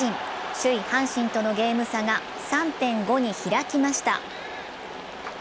首位・阪神とのゲーム差が３．５に開きました。